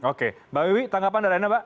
oke mbak wiwi tanggapan dari anda mbak